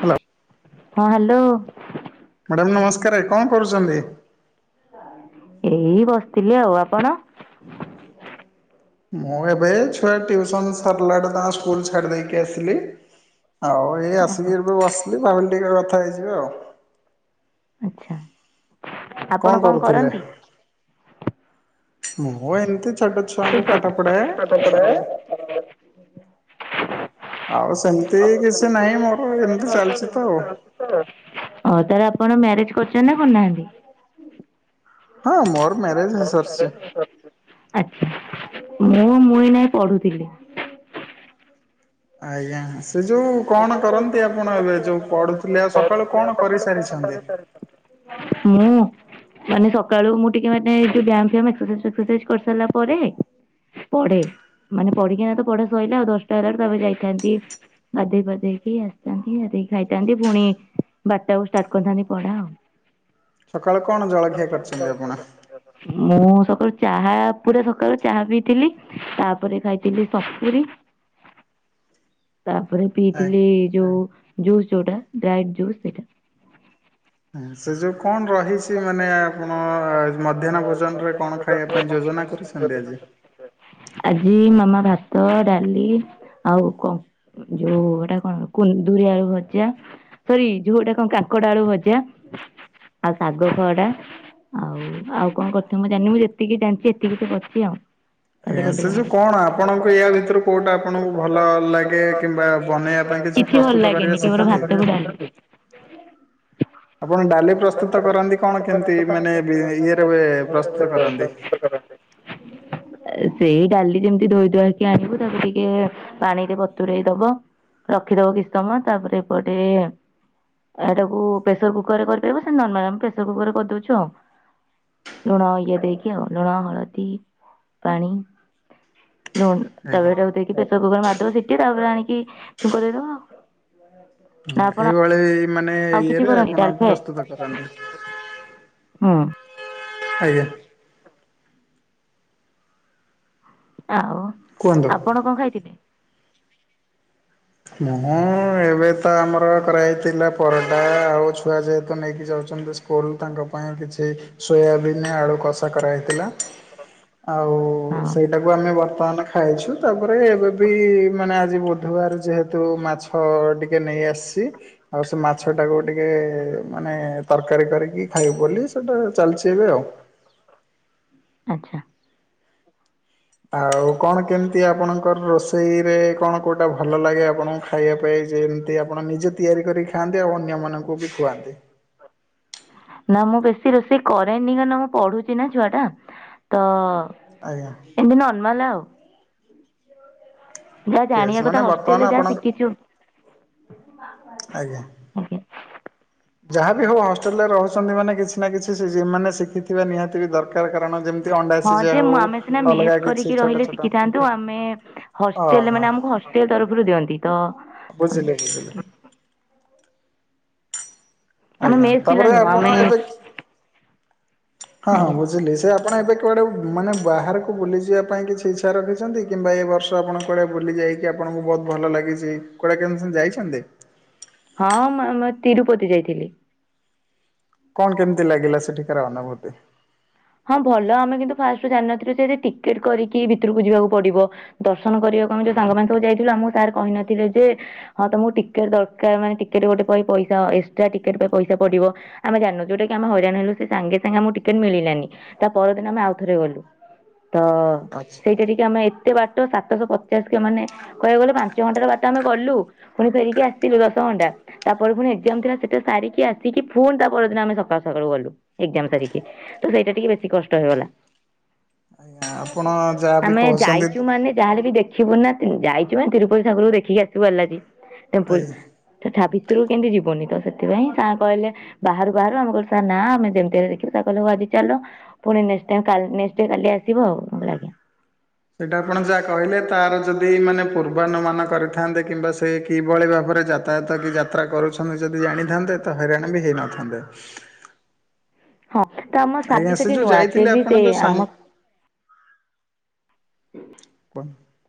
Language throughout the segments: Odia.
ହ୍ୟାଲୋ। ହଁ ହ୍ୟାଲୋ। ମ୍ୟାଡ଼ାମ ନମସ୍କାର କଣ କରୁଚନ୍ତି? ଏଇ ବସିଥିଲି ଆଉ ଆପଣ? ମୁଁ ଏବେ ଛୁଆ ଟିୟୁସନ୍ ସରିଲାଠୁ ତାଙ୍କ ସ୍କୁଲ ଛାଡ଼ି ଦେଇକି ଆସିଲି। ଆଉ ଏଇ ଆସିକି ଏବେ ବସିଲି ଭାବିଲି ଟିକେ କଥା ହେଇଯିବା ଆଉ। ଆଚ୍ଛା। ଆପଣ କଣ କରୁଥିଲେ କରନ୍ତି? ମୁଁ ଏମିତି ଛୋଟ ଛୁଆଙ୍କୁ ପାଠ ପଢାଏ ଆଉ ଆଉ ସେମିତି ଆଉ କିଛି ସେମିତି ନାହିଁ ମୋର କିଛି ନାହିଁ ଏମିତି ଘରେ ଚାଲିଛି ତ ସେମିତି ଆଉ। ଚାଲଚି। ହଁ ତାହେଲେ ଆପଣ ମ୍ୟାରେଜ୍ କରୁଚନ୍ତି ନା କରିନାହାନ୍ତି? ହଁ ମୋର ମ୍ୟାରେଜ ହେଇସାରିଚି। ଆଚ୍ଛା ମୁଁ ମୁଁ ଏଇନେ ପଢୁଥିଲି। ଆଜ୍ଞା ସେଯୋଉ ଏ ଯୋଉ କଣ କରନ୍ତି ଆପଣ ଏବେ ଏ ଆଉ ସକାଳୁ କଣ କରୁଥିଲେ ସକାଳୁ କଣ କରିସାରିଛନ୍ତି? କରିସାରିଚନ୍ତି? ମୁଁ? ମାନେ ସକାଳୁ ମୁଁ ଟିକେ ମାନେ ଯୋଉ ବୟାମ ଫିୟମ ଏସ୍କାସାଇଜ୍ ଫେସସାଇଜ କରିସାରିଲା ପରେ ପଢେ ମାନେ ପଢିକିନାତ ପଢା ସରିଲା ଆଉ ଦଶଟା ହେଲା ଠୁ ତାପରେ ଯାଇଥାନ୍ତି। ଗାଧେଇ ପାଧେଇକି ଆସିଥାନ୍ତି ଗଧେଇକି ଖାଇଥାନ୍ତି ପୁଣି ବାରଟାଠୁ ଷ୍ଟାର୍ଟ କରିଥାନ୍ତି ପଢା ଆଉ। ସକାଳେ କଣ ଜଳଖିଆ କରିଚନ୍ତି ଆପଣ? ମୁଁ ସକାଳୁ ଚାହା ପୁରା ସକାଳୁ ଚାହା ପିଇଥିଲି ତାପରେ ଖାଇଥିଲି ସପୁରି ତାପରେ ପିଇଥିଲି ଯୋଉ ଜୁସ୍ ଯୋଉଟା ଡ୍ରାଇଡ୍ ଜୁସ୍ ସେଟା। ସେ ଯୋଉ କଣ ରହିଚି ମାନେ ଆପଣ ମଧ୍ୟାହ୍ନ ଭୋଜନରେ କଣ ଖାଇବା ପାଇଁ ଯୋଜନା କରିଚି ନାଁ ଭେଜ୍। ଆଜି ମାମା ଭାତ ଡାଲି ଆଉ କ ଯୋଉ ଏଟା କଣ କୁନ୍ଦୁରି ଆଳୁ ଭଜା ସରି ଯୋଉଟା କଣ କାଙ୍କଡ଼ ଆଳୁ ଭଜା ଆଉ ଶାଗ ଖାଡ଼ା ଆଉ ଆଉ କଣ କରିଥିବ ମୁଁ ଜାଣିନି ମୁୁ ଯେତିକି ଜାଣିଚି ଏତିକି ସେକରିଚି ଆଉ। ଆଜ୍ଞା ତାପରେ ସେ ଯୋଉ [unintelligible] ଆପଣଙ୍କୁ କଣ ୟା ଭିତରୁ ଆପଣଙ୍କୁ କୋଉଟା ଏୟ ଭିତରେ ଆପଣଙ୍କୁ ଭଲ କୋଉଟା ଆପଣଙ୍କୁ ଲାଗେ ଭଲ କିମ୍ବା ଲାଗେ ବନେଇବା କିମ୍ବା ପାଇଁ କିଛି ଭଲ ପ୍ରସ୍ତୁତ କରିବା ଲାଗେନି କେବଳ ଶିଖାନ୍ତି? ଭାତକୁ ଡାଲି ଆପଣ ଡାଲି ପ୍ରସ୍ତୁତ କରନ୍ତି କଣ କେମିତି ମାନେ ଇଏରେ ପ୍ରସ୍ତୁତ କରନ୍ତି? [inaudible] ସେଇ ଡାଲି ଯେମିତି ଧୋଇ ଧୂଆକି ଆଣିବୁ ତାକୁ ଟିକେ ପାଣିରେ ବତୁରେଇ ଦବ ରଖିଦବ କିଛି ସମୟ ତାପରେ ଏପଟେ ଏଟାକୁ ପ୍ରେସର କୁକରରେ କରିପାରିବ ନର୍ମାଲ ଆମେ ପ୍ରେଶରକୁକର କରିଦଉଚୁ ଆଉ। ଲୁଣ ଇଏ ଦେଇକି ଆଉ ଲୁଣ ହଳଦୀ ପାଣି ଲୁଣ ଆଜ୍ଞା। ତାକୁ ଦେଇକି ପ୍ରେସର କୁକର ମାରିଦେବ ସିଟିି ତାପରେ ଆଣିକି ଛୁଙ୍କ ଦେଇଦବ ଆଉ। ନା ହ ଆପଣ ଏଇଭଳି ମାନେ ଆଉ କିଛି ଇଏରେ କରନ୍ତି ଡାଲ ଆପଣ ଫ୍ରାଏ ପ୍ରସ୍ତୁତ କରନ୍ତିୁ। ହୁଁ। ଆଜ୍ଞା। ଆଉ କୁହନ୍ତୁ। ଆପଣ କଣ ଖାଇଥିଲେ? ମୁଁ ଏବେତ ଆମର କରାହେଇଥିଲା ପରଟା ଆଉ ଛୁଆ ଯେହେତୁ ନେଇକି ଯାଉଚନ୍ତି ସ୍କୁ ସ୍କୁଲ୍ ତାଙ୍କ ପାଇଁ କିଛି ସୋୟାବିିନ ଆଳୁ କଷା କରାହେଇଥିଲା ଆଉ ହଁ ସେଇଟାକୁ ଆମେ ବର୍ତ୍ତମାନ ଖାଇଛୁ ତାପରେ ରେ ଏବେବି ମାନେ ଆଜି ବୁଧବାର ଯେହେତୁ ମାଛ ଟିକେ ନେଇଆସିଚି ଆଉ ସେ ମାଛଟାକୁ ଟିକେ ମାନେ ତରକାରୀ କରିକି ଖାଇବୁ ବୋଲି ସେଟା ଚାଲିଚି ଏବେ ଆଉ। ଆଚ୍ଛା। ଆଉ କଣ କେମିତି ଆପଣଙ୍କର ରୋଷେଇରେ କଣ କୋଉଟା ଭଲ ଲାଗେ ଆପଣଙ୍କୁ ଖାଇବା ପାଇଁ ଯେମିତି ଆପଣ ନିଜେ ତିଆରି କରି ଖାଆନ୍ତି ଆଉ ଅନ୍ୟମାନଙ୍କୁବି ଖୁଆନ୍ତି? ନା ମୁଁ ବେଶୀ ରୋଷେଇ କରେନି କାରଣ ମୁଁ ପଡ଼ୁଚିନା ଛୁଆଟା ତ ଆଜ୍ଞା। ଏମିତି ନର୍ମଲା ଆଉ। ଯାହା ଜାଣିବା [unintelligible] କଥା ମାନେ ହଷ୍ଟେଲରେ ବର୍ତ୍ତମାନ ଯାହା ଶିଖିଛୁ। ଆପଣଙ୍କୁ ଆଜ୍ଞା। ଆଜ୍ଞା ଯାହାବି ହଉ ହଷ୍ଟେଲରେ ରହୁଚନ୍ତି ମାନେ କିଛିନା କିଛି ଶିଖି ମାନେ ଶିଖିଥିବା ନିହାତିବି ଦରକାର କାରଣ ଯେମିତି ଅଣ୍ଡା ହଁ ସିଝା ଯେ ହଉ ମୁଁ ଆମେ ସିନା ଅଲଗା ମେସ୍ କିଛି କରିକି ଛୋଟ ରହିଲେ ଛୋଟ ଶିଖିଥାଆନ୍ତୁ ଆମେ ହଷ୍ଟେଲ ଓହୋ ମାନେ ଆମକୁ ହଷ୍ଟେଲ ତରଫରୁ ଦିଅନ୍ତି ତ ଆମେ ବୁଝିଲେ? ଆମେ ଆଜ୍ଞା ମେସ ତାପରେ ପିଲା ନୁହଁ। ଆପଣ ଆମେ ଏବେ ହଁ ହଁ ଆଜ୍ଞା। ବୁଝିଲି ସେ ଆପଣ ଏବେ କୁଆଡେ ମାନେ ବାହାରକୁ ବୁଲିଯିବା ପାଇଁ କିଛି ଇଚ୍ଛା ରଖିଛନ୍ତି କିମ୍ବା ଏ ବର୍ଷ ଆପଣ କୁଆଡ଼େ ବୁଲିଯାଇ ଆପଣଙ୍କୁ ବହୁତ ଭଲ ଲାଗିଛି। କୁଆଡେ କେମିତି ଯାଇଛନ୍ତି? ହଁ, ମୁଁ ଆମେ ତିରୁପତି ଯାଇଥିଲି। କଣ କେମିତି ଲାଗିଲା ସେଠିକାର ଅନୁଭୂତି? ହଁ ଭଲ ଆମେ କିନ୍ତୁ ଫାଷ୍ଟ ରୁ ଜାଣିନଥିଲୁ ଯେ, ସେଠି ଟିକେଟ କରିକି ଭିତରକୁ ଯିବାକୁ ପଡିବ। ଦର୍ଶନ କରିବାକୁ ଆମେ ଯୋଉ ସାଙ୍ଗମାନେ ସବୁ ଯାଇଥିଲୁ, ଆମକୁ ସାର କହିନଥିଲେ ଯେ ହଁ ତମକୁ ଟିକେଟ ଦରକାର। ମାନେ ଟିକେଟ ଗୋଟେ ପାଇଁ ପଇସା ଏକ୍ସଟ୍ରା ଟିକେଟ ପାଇଁ ପଇସା ପଡିବ। ଆମ ଜାଣିନୁ ଯୋଉଟା କି ଆମେ ହଇରାଣ ହେଲୁ। ସେ ସାଙ୍ଗେ ସାଙ୍ଗେ ଆମକୁ ଟିକେଟ ମିଳିଲାନି। ତା ପରଦିନ ଆମେ ଆଉଥରେ ଗଲୁ। ତ ଆଚ୍ଛା ସେଇଟା ଟିକେ ଆମେ ଏତେ ବାଟ। ସାତଶହ ପଚାଶ କିଲ ମାନେ କହିବାକୁ ଗଲେ ପାଞ୍ଚ ଘଣ୍ଟାର ବାଟ ଆମେ ଗଲୁ। ପୁଣି ଫେରିକି ଆସିିଲୁ ଦଶ ଘଣ୍ଟା। ତାପରେ ପୁଣି ଏକ୍ଜାମ ଥିଲା ସେଟା ସାରିକି ଆସିକି, ଫୁଣି ତା ପରଦିନ ଆମେ ସକାଳୁ ସକାଳୁ ଗଲୁ। ଏକ୍ଜାମ ସାରିକି। ତ ସେଇଟା ଟିକେ ବେଶୀ କଷ୍ଟ ହେଇଗଲା। ଆଜ୍ଞା ଆପଣ ଯାହାବି ଆମେ କହୁଛନ୍ତି ଯାଇଛୁ ମାନେ ଯାହଲେ ବି ଦେଖ ଦେଖିବୁ ନା ଯାଇଛୁ ମାନେ ତିରୁପତି ଠାକୁରକୁ ଦେଖିକି ଆସିିବୁ। ବାଲାଜୀ ଟେମ୍ପୁଲ। ଆଜ୍ଞା। ସେ ତ ଭିତରକୁ କେମିତି ଯିବୁନି ତ ସେଥିପାଇଁ ସାର କହିଲେ ବାହାରୁ ବାହାରୁ ଆମେ କହିଲୁ ସାର ନା ଆମେ ଯେମିତି ହେଲେ ଦେଖିବୁ। ସାର କହିଲେ ହଉ ଆଜି ଚାଲ ପୁଣି ନେକ୍ସ ଟାଇମ କାଲ ନେକ୍ସ ଡେ କାଲି ଆସିବ। ମୁଁ କହିଲି ଆଜ୍ଞା। ସେଇଟା ଆପଣ ଯାହା କହିଲେ ତାର ଯଦିମାନେ ପୂର୍ବାନୁମାନ କରିଥାନ୍ତେ କିମ୍ବା ସେ କିଭଳି ଭାବରେ ଯା ଯାତାୟାତ କି ଯାତ୍ରା କରୁଛନ୍ତି ଯଦି ଜାଣିଥାନ୍ତେ ତ ହଇରାଣ ବି ହେଇନଥାନ୍ତେ। ହଁ ତ ଆମ ସାର୍ ଆଜ୍ଞା ବି ସେ ସେଠି ଯୋଉ ନୂଆ। ଯାଇଥିଲେ ଫିର୍ ବି ଆପଣ ସେ ଯୋଉ ସାଙ୍ଗ ଆମ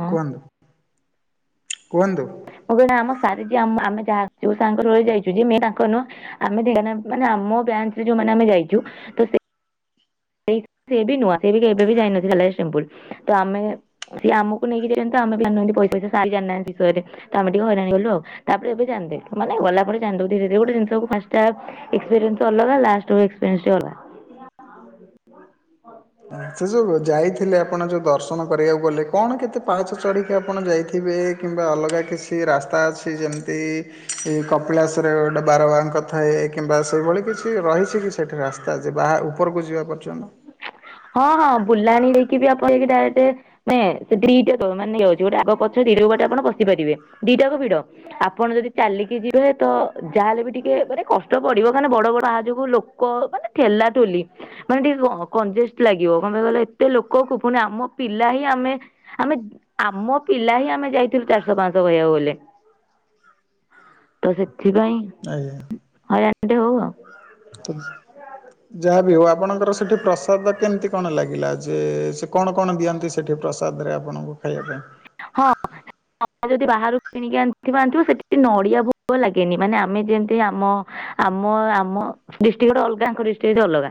ହଁ କୁହନ୍ତୁ। କୁହନ୍ତୁ। ମୁଁ କହିଲି ଆମ ସାର ଯେ ଆମ ଆମେ ଯାହା ଯୋଉ ସାରଙ୍କ ଥ୍ରୋରୁ ଯାଇଛୁ ଯେ ମେନ୍ ତାଙ୍କ ନୁହଁ ଆମେ [unintelligible] ମାନେ ଆମ ବ୍ୟାଚ଼ରେ ଯୋଉମାନେ ଆମେ ଯାଇଛୁ, ତ ସେ ସେଇ ସିଏବି ନୁଆଁ ସିଏବି କେବେବି ଯାଇନାହାନ୍ତି [unintelligible] ତ ଆମେ ସିଏ ଆମକୁ ନେଇକି ଯାଇଛନ୍ତି ତ, ଆମେ ବି ଜାଣିନାହାନ୍ତି ପଇସା ବିଷୟରେ ସାର ବି ଜାଣିନାହାନ୍ତି [unintelligible] ତ ଆମେ ଟିକେ ହଇରାଣ ହେଇଗଲୁ ଆଉ। ତାପରେ ଏବେ ଜାଣିଦେଲୁ। ମାନେ ଗଲାପରେ ଜାଣିୁଦେଲୁ ଧିରେ ଧିରେ ଗୋଟେ ଜିନିଷ କୁ ଫାର୍ଷ୍ଟ ଟା ଏକ୍ସପିରିଏନ୍ସ ଅଲଗା। ଲାଷ୍ଟ କୁ ଏକ୍ସପେରେନ୍ସ ବି ଅଲଗା। ହ୍ୟା ସେ ଯୋଉ ଯାଇଥିଲେ, ଆପଣ ଯୋଉ ଦର୍ଶନ କରିବାକୁ ଗଲେ କଣ କେତେ ପାହାଚ ଚଢ଼ିକି ଆପଣ ଯାଇଥିବେ? କିମ୍ବା ଅଲଗା କିଛି ରାସ୍ତା ଅଛି ଯେମିତି ଏଇ କପିଳାସରେ ଗୋଟେ ବାରବାଙ୍କଥାଏ କିମ୍ବା ସେଇଭଳି କିଛି ରହିଛି କିଛି ସେଠି ରାସ୍ତା ଯିବା, ଉପରକୁ ଯିବା ପର୍ଯ୍ୟନ୍ତ ହଁ ହଁ ବୁଲାଣି ହେଇକି ବି ଆପଣ ବ ଡାଇରେକ୍ଟ [unintelligible] ଆପଣ ବସି ପାରିବେ। ଦିଟା ଯାକ ଭିଡ। ଆପଣ ଯଦି ଚାଲିକି ଯିବେ ତ ଯାହାହେଲେ ବି ଟିକେ ମାନେ କଷ୍ଟ ପଡିବ। କାହିଁକି ନା ବଡ ବଡ [unintelligible] [unintelligible] କଂଜେଷ୍ଟ ଲାଗିବ। କଣ ପାଇଁ କହିଲେ ଏତେ ଲୋକକୁ, ପୁଣି ଆମ ପିଲା ହିଁ ଆମେ ଆମେ ଆମ ପିଲା ହିଁ ଆମେ ଯାଇଥିଲୁ ଚାରିଶହ ପାଞ୍ଚଶହ କହିଆକୁ ଗଲେ। ତ ସେଥିପାଇଁ ଆଜ୍ଞା। ହଇରାଣଟେ ହଉ ଆଉ। [unintelligible] ଯାହାବି ହଉ ଆପଣଙ୍କର ସେଠି ପ୍ରସାଦ କେମିତି କଣ ଲାଗିଲା ଯେ ସେ କଣ କଣ ଦିଅନ୍ତି ସେଠି ପ୍ରସାଦରେ ଆପଣଙ୍କୁ ଖାଇବା ପାଇଁ? ହଁ ଆ ଯଦି ବାହାରୁ କିଣିକି ଆଣିଥିବ ଆଣିଥିବ ସେଠି ନଡ଼ିଆ ଭୋଗ ଲାଗେନି ମାନେ ଆମେ ଯେମିତି ଆମ ଆମ, ଆମ, ଡିଷ୍ଟ୍ରିକ୍ ଗୋଟେ ଅଲଗା ଆଙ୍କ ଡିଷ୍ଟ୍ରିକ୍ ଅଲଗା,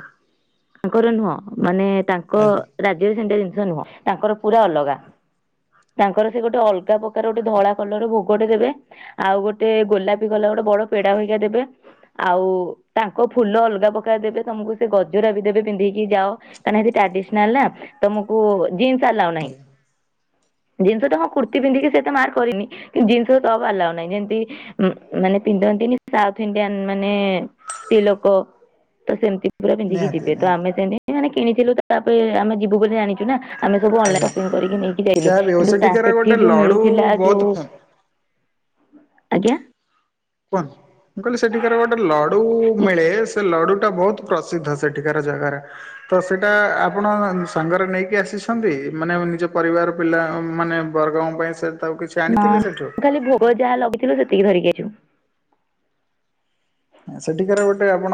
ତାଙ୍କର ନୁହଁ ମାନେ ତାଙ୍କ ଆଜ୍ଞା। ରାଜ୍ୟରେ ସେମିତିଆ ଜିନିଷ ନୁହଁ, ତାଙ୍କର ପୁରା ଅଲଗା। ତାଙ୍କର ସେ ଗୋଟେ ଅଲଗା ପ୍ରକାର ଗୋଟେ ଧଳା କଲର ଭୋଗଟେ ଦେବେ। ଆଉ ଗୋଟେ ଗୋଲାପୀ କଲର ଗୋଟେ ବଡ ପେଡା ହୋଇକା ଦେବେ। ଆଉ ତାଙ୍କ ଫୁଲ ଅଲଗା ପକାର ଦେବେ ତମକୁ ସେ ଗଜରା ବି ଦେବେ ପିନ୍ଧିକି ଯାଅ। କାହିଁନା ହେଟି ଟ୍ରାଡିସ୍ନାଲ୍ ନା ତମକୁ ଜିନ୍ସ ଆଲ୍ଲାଉ ନାହିଁ। ଆଜ୍ଞା ଜିନ୍ସ ସହିତ ହଁ କୁର୍ତ୍ତି ପନ୍ଧିକି ସେତ ମାର୍କ କରିନି କିନ୍ତୁ ଜିନ୍ସ ସହିତ ଆଉ ଆଲାଉ ନାହିଁ, ଯେମିତି ମ୍ ମାନେ ପିନ୍ଧନ୍ତିନି ସାଉଥ୍ ଇଣ୍ଡିଆନ୍ ମାନେ ସ୍ତ୍ରୀ ଲୋକ ତ ସେମିତି। ପୁରା ପିନ୍ଧିକି ନିହାତି ଯିବେ, ତ ନିହାତି ଆମେ ସେମିତି ମାନେ କିଣିଥିଲୁ ତାପରେ ଆମେ ଯିବୁ ବୋଲି ଜାଣିଛୁ ନା। ଆମେ ସବୁ ଅନଲାଇ ଆଜ୍ଞା ସପିଙ୍ଗ କରିକି ନେଇକି ଯାଇଥିଲୁ, ଯାହା ବି ହଉ କିନ୍ତୁ ତା ସେଠିକାର ସେଠି ଗୋଟେ ଯୋଉ ଲଡୁ ମିଳୁଥିଲା ବହୁତ ଯୋଉ ଫେ ଆଜ୍ଞା। କୁହନ୍ତୁ, ମୁଁ କହିଲି ସେଠିକାର ଗୋଟେ ଲଡୁ ମିଳେ ସେ ଲଡୁଟା ବହୁତ୍ ପ୍ରସିଦ୍ଧ ସେଠିକାର ଜାଗାରା। ତ ସେଇଟା ଆପଣ ସାଙ୍ଗରେ ନେଇକି ଆସିଛନ୍ତି ମାନେ ନିଜ ପରିବାର ପିଲା ମାନେ ବର୍ଗଙ୍କ ପାଇଁ ସେଟା ଆଉ କି ନଁ, ତୁ ଖାଲି ଭୋଗ ଯାହା ଲଗେଇଥିଲୁ ସେତିକି ଧରିକି ଆଇଛୁ ଏଁ ସେଠିକାର ଗୋଟେ ଆପଣ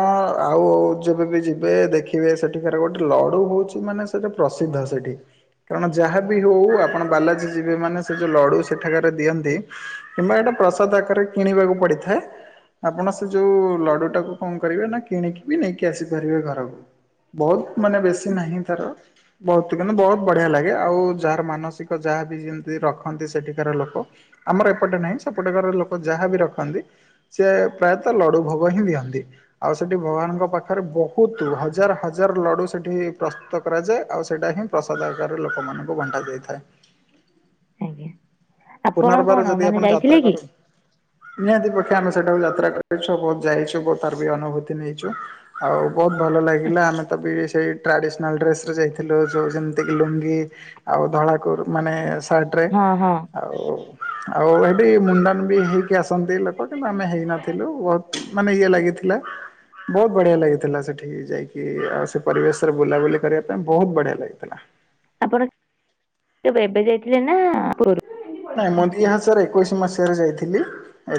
ଆଉ ଯେବେବି ଯିବେ ଦେଖିବେ ସେଠିକାର ଗୋଟେ ଲଡୁ ହଉଛି ମାନେ ସେଟି ପ୍ରସିଦ୍ଧ ସେଠି। କାରଣ ଯାହାବିି ହଉ ଆପଣ ବାଲାଜୀ ଯିବେ ମାନେ ସେ ଯୋଉ ଲଡ଼ୁ ସେଠାକାରା ଦିଅନ୍ତି କିମ୍ବା ଏଇଟା ପ୍ରସାଦ ଆକାରରେ କିଣିବାକୁ ପଡିଥାଏ, ଆପଣ ଯୋଉ ଲଡୁଟାକୁ କଣ କରିବେ ନା କିଣିକି ବି ନେଇକି ଆସିପାରିବେ ଘରକୁ? ବହୁତ ମାନେ ବେଶୀ ନାହିଁ ତାର। ବହୁତ, ମାନେ ବହୁତ ବଢିଆ ଲାଗେ ଆଉ ଯାହାର ମାନସିକ ଯାହାବି ଯେମିତି ରଖନ୍ତି ସେଠିକାର ଲୋକ ଆମର ଏପଟେ ନାହିଁ ସେପଟେ ଘର ଲୋକ ଯାହାବି ରଖନ୍ତି, ସେ ପ୍ରାୟତଃ ଲଡ଼ୁ ଭୋଗ ହିଁ ଦିଅନ୍ତି। ଆଉ ସେଠି ଭଗବାନଙ୍କ ପାଖରେ ବହୁତ ହଜାର ହଜାର ଲଡୁ ସେଠି ପ୍ରସ୍ତୁତ କରାଯାଏ, ଆଉ ସେଇଟା ହିଁ ପ୍ରସାଦ ଆକାରରେ ଲୋକମାନଙ୍କୁ ବଣ୍ଟା ଯାଇଥାଏ। ଆଜ୍ଞା ଆପଣ ପୁନର୍ବାର କଣ ଯଦି ମାନେ ଆପଣ ଯାଇଥିଲେ ଯାତ୍ରା କି? କର ନିହାତି ପକ୍ଷେ ଆମେ ସେଠାକୁ ଯାତ୍ରା କରିଛୁ ବହୁତ ଯାଇଛୁ ବହୁ ତାର ବି ଅନୁଭୂତି ନେଇଛୁ ଆଉ ବହୁତ ଭଲ ଲାଗିଲା ଆଚ୍ଛା। ଆମେ ତ ବି ସେଇ ଟ୍ରାଡ଼ିସ୍ନାଲ୍ ଡ୍ରେସ୍ରେ ଯାଇଥିଲୁ ଯୋଉ ଯେମିତିକି ଲୁଙ୍ଗି ଆଉ ଧଳା କୁରୁ ମାନେ ସା ବାଟ୍ରେ, ହଁ ହଁ ଆଉ, ଆଉ ଏଠି ମୁଣ୍ଡା ମୁଣ୍ଡି ହେଇକି ଆସନ୍ତି ଲୋକ କିନ୍ତୁ ଆମେ ଥିଲୁ ବହୁତ ମାନେ ଇଏ ଲାଗିଥିଲା। ବହୁତ ବଢ଼ିଆ ଲାଗିଥିଲା ସେଠି ଯାଇକି ଆଉ ସେ ପରିବେଶରେ ବୁଲାବୁଲି କରିବା ପାଇଁ ବହୁତ ବଢ଼ିଆ ଲାଗିଥିଲା। ଆପଣ, ତେବେ ଏବେ ଯାଇଥିଲେ ନା ଆ ପୂର୍ବରୁ? ନାଇଁ ମନ୍ଦୀହାସରେ ଏକୋଇଶି ମସିହାରେ ଯାଇଥିଲି।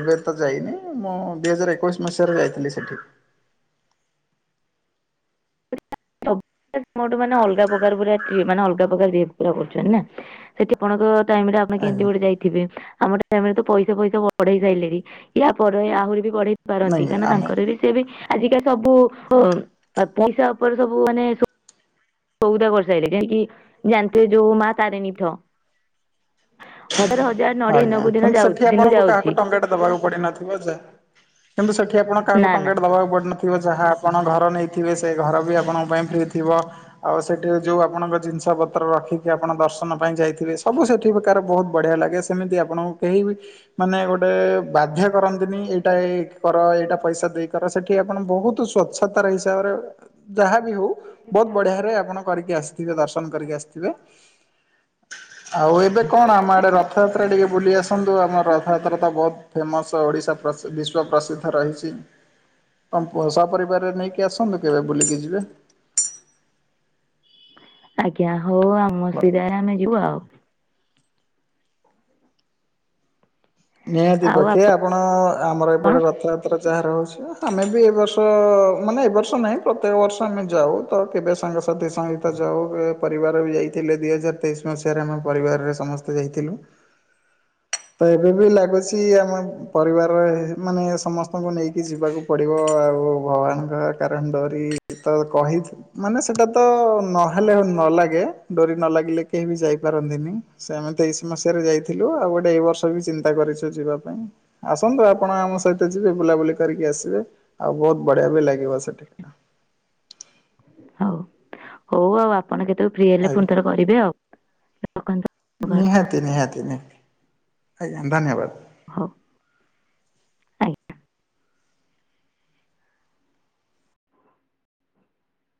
ଏବେ ତ ଯାଇନି, ମୁଁ ଦି ହଜାର ଏକୋଇଶି ମସିହାରେ ଯାଇଥିଲି ସେଠି। ତବ୍ ମୋଠୁ ମାନେ ଅଲଗା ପ୍ରକାର ପୁରା କ୍ରିଏ ମାନେ ଅଲଗା ପ୍ରକାର ରେପ୍ ପୁରା କରୁଛନ୍ତି ନା? ସେଠିପଣଙ୍କ ଟାଇମ ରେ ଆପଣ କେମିତି ଆଜ୍ଞା ଗୋଟେ ଯାଇ ଥିବେ ଆମ ତ ପଇସା ଫଇସା ବଢେଇ ସାଇଲେଣି ୟା ପରେ ଆହୁରି ବି ବଢ଼େଇ ପାରନ୍ତି ନାଇଁ କାହିଁକନା ଆମେ ତାଙ୍କର ବି ସେ ବି ଆଜିକା ସବୁ ପଇସା ଉପରେ ସବୁ ମାନେ ସଉଦା କରିସାଇ ଲେନି ଯେଣି କି ଜାଣିଥିବେ ଯୋଉ ମା ତାରିଣୀଠ ନଡିଆ ଆଜ୍ଞା ଦିନକୁ ଦିନ କିନ୍ତୁ ଯାଉଛି ସେଠି ଦିନକୁ ଆପଣଙ୍କୁ ଯାଉଛି କାହାକୁ ଟଙ୍କାଟେ ଦବାକୁ ପଡିିନଥିବ ଯା କିନ୍ତୁ ସେଠି ଆପଣ କାହାକୁ ନା ନା ଟଙ୍କାଟେ ଦେବାକୁ ପଡି ନ ଥିବ ଯାହା ଆପଣ ଘର ନେଇଥିବେ ସେ ଘର ବି ଆପଣଙ୍କ ପାଇଁ ଫ୍ରି ଥିବ। ଆଉ ସେଠି ଯୋଉ ଆପଣଙ୍କ ଜିନିଷ ପତ୍ର ରଖିକି ଆପଣ ଦର୍ଶନ ପାଇଁ ଯାଇଥିବେ ସବୁ ସେଠି କାର ବହୁତ ବଢ଼ିଆ ଲାଗେ ସେମିତି ଆପଣଙ୍କୁ କେହି ବି ମାନେ ଗୋଟେ ବାଧ୍ୟ କରନ୍ତିନି ଏଇଟା ଏଇ କର ଏଇଟା ପଇସା ଦେଇ କର। ସେଠି ଆପଣ ବହୁତ ସ୍ଵଚ୍ଛତାର ହିସାବରେ ଯାହା ବିି ହଉ ବହୁତ ବଢିଆ ରେ ଆପଣ କରିକି ଆସିଥିବେ ଦର୍ଶନ କରିକି ଆସିଥିବେ। ଆଉ ଏବେ କଣ ଆମ ଆଡେ ରଥ ଯା ଯାତ୍ରା ଟିକେ ବୁଲି ଆସନ୍ତୁ। ଆମର ରଥଯାତ୍ରା ତ ବହୁତ ଫେମସ ଓଡିଶା ପ୍ରସି ବିଶ୍ଵ ପ୍ରସିଦ୍ଧ ରହିଛି। ତମ ପୁଅ ସ ପରରିବାରରେ ନେଇକି ଆସନ୍ତୁ କେବେ ବୁଲିକି ଯିବେ। ଆଜ୍ଞା ହଉ ଆମ ସୁବିଧାରେ ଆମେ ଯିବୁ ଆଉ। ନିହାତି ପକ୍ଷେ ଆ ଆପଣ ଆମର ଏପଟେ ରଥଯାତ୍ରା ଯାହାର ହଉଛି ଆମେ ବି ଏ ବର୍ଷ ମାନେ ଏ ବର୍ଷ ନାହିଁ। ପ୍ରତ୍ୟେକ ବର୍ଷ ଆମେ ଯାଉ ତ କେବେ ସାଙ୍ଗସାଥି ସଙ୍ଗତ ଯାଉ କେ ପରିବାର ବି ଯାଇଥିଲେ ଦି ହଜାର ତେଇଶି ମସିହାରେ ଆମ ପରିବାରରେ ସମସ୍ତେ ଯାଇଥିଲୁ। ତ ଏବେ ବି ଲାଗୁଛି ଆମ ପରିବାରରେ ମାନେ ସମ ଆପଙ୍କୁ ନେଇକି ଯିବାକୁ ପଡ଼ିବ ଆଉ ଭଗବାନଙ୍କ କାରଣ ଡରି ତ କହିି ମାନେ ସେଟା ତ ନହେଲେ ନ ଲାଗେ ଡୋରି ନ ଲାଗିଲେ କେହି ବି ଯାଇପାରନ୍ତିନି। ସେମିତିତେଇଶି ମସିହାରେ ଯାଇଥିଲୁ ଆଉ ଗୋଟେ ଏଇ ବର୍ଷ ବି ଚିନ୍ତା କରିଛୁ ଯିବା ପାଇଁ। ଆସନ୍ତୁ ଆପଣ ଆମ ସହିତ ଯିବେ ବୁଲାବୁଲି କରିକି ଆସିବେ ଆଉ ବହୁତ ବଢିଆ ବି ଲାଗିବ ସେଠି। ହଉ ହଉ ଆଉ ଆପ ଆପଣ କେତେବେଳେ ଫ୍ରି ହେଲେ ଆଜ୍ଞା ପୁଣି ଥର କରିବେ ଆଉ ରଖନ୍ତୁ ସକାଳୁ ଆଉ। ନିହାତି ନିହାତି। ଆଜ୍ଞା ଧନ୍ୟବାଦ। ହଉ ଆଜ୍ଞା।